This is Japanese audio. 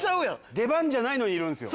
出番じゃないのにいるんすよ。